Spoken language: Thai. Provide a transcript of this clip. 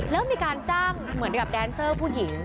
แล้วมีการจ้างเหมือนกับแดนเซอร์ผู้หญิง